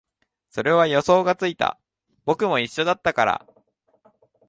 それは予想がついた、僕も一緒だったから